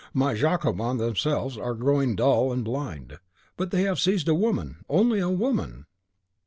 my Jacobins themselves are growing dull and blind. But they have seized a woman, only a woman!"